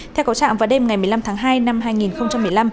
theo cầu trạm vào đêm ngày một mươi năm tháng hai năm hai nghìn một mươi năm